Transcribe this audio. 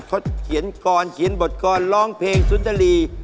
เขาเขียนกรเขียนบทกรร้องเพลงสุนทรีย์